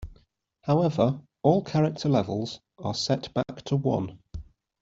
However, all character levels are set back to one.